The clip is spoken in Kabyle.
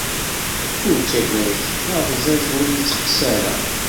Ur ttagad d abẓiẓ ur iteqqes ara.